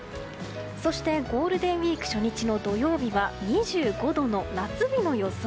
そして、ゴールデンウィークの初日の土曜日は２５度の夏日の予想。